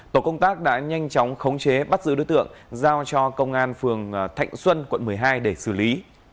tổ công tác đã nhanh chóng khống chế bắt giữ đối tượng giao cho công an phường thạnh xuân quận một mươi hai để xử lý